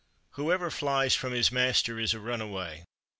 25. Whoever flies from his master is a runaway.